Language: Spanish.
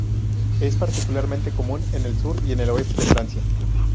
Es particularmente común en el sur y el oeste de Francia.